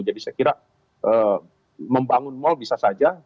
jadi saya kira membangun mal bisa saja